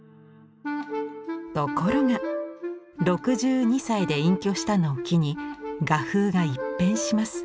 ところが６２歳で隠居したのを機に画風が一変します。